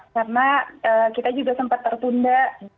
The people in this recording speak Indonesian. karena kita juga sempat tertunda